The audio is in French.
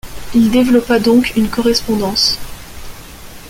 Il développa donc une correspondance.